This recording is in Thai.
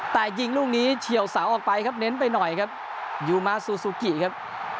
แต่ยิงลูกนี้เฉียวเสาออกไปครับเน้นไปหน่อยครับยูมาซูซูกิครับ